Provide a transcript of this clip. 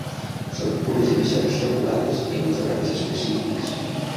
Són unes emissions regulades en uns horaris específics.